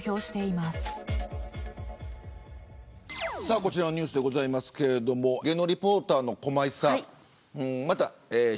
こちらのニュースですけど芸能リポーターの駒井さん。